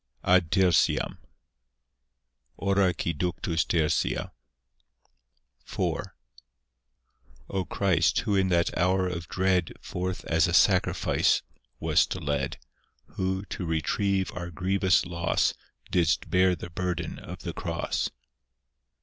(AD TERTIAM) (Hora qui ductus tertia) IV O Christ, who in that hour of dread Forth as a sacrifice wast led; Who, to retrieve our grievous loss, Didst bear the burden of the cross.